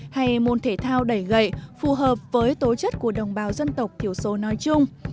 hay môn thể thao đẩy gậy phù hợp với tố chất của đồng bào dân tộc thiểu số nói chung